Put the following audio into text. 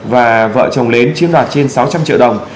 và vợ chồng lớn chiếm đoạt trên sáu trăm linh triệu đồng